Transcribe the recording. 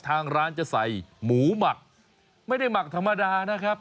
ทางร้านจะใส่หมูหมักไม่ได้หมักธรรมดานะครับ